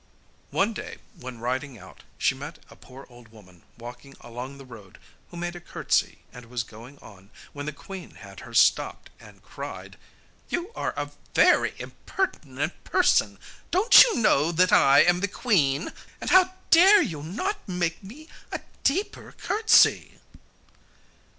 One day, when riding out, she met a poor old woman walking along the road, who made a curtsy and was going on, when the queen had her stopped, and cried: 'You are a very impertinent person; don't you know that I am the queen? And how dare you not make me a deeper curtsy?